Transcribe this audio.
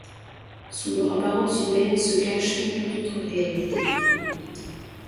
Sous leur apparence humaine se cache une tout autre réalité...